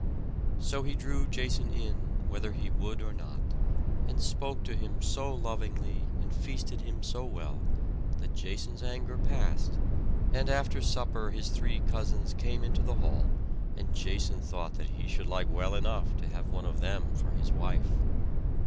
So he drew Jason in, whether he would or not, and spoke to him so lovingly and feasted him so well, that Jason's anger passed; and after supper his three cousins came into the hall, and Jason thought that he should like well enough to have one of them for his wife.